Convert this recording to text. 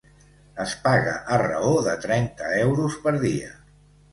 Es paga a raó de trenta euros per dia.